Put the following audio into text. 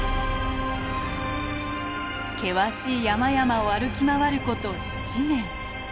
険しい山々を歩き回ること７年。